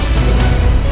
nih ga ada apa apa